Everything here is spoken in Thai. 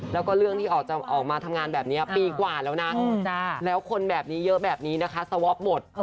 แล้วก็เรื่องที่ออกมาทำงานแบบนี้ปีกว่าแล้วนะแล้วคนแบบนี้เยอะแบบนี้นะคะสวอปหมด